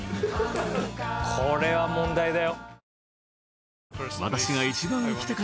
これは問題だよ。